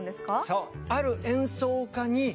そう。